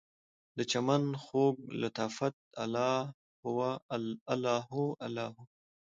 دچمن خوږ لطافته، الله هو الله هو